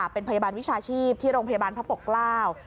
เป็นพยาบาลวิชาชีพที่โรงพยาบาลพระปกเกล้า